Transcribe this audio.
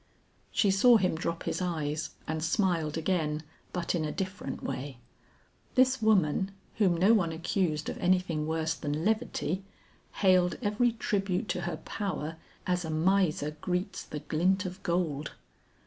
She saw him drop his eyes, and smiled again, but in a different way. This woman, whom no one accused of anything worse than levity, hailed every tribute to her power, as a miser greets the glint of gold.